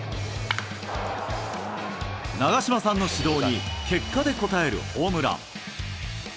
長嶋さんの指導に結果で応えるホームラン。